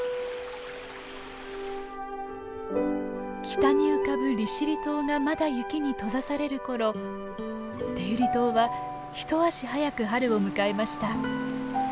北に浮かぶ利尻島がまだ雪に閉ざされる頃天売島は一足早く春を迎えました。